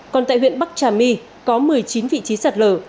còn tại huyện bắc trà my có một mươi chín vị trí sạt lở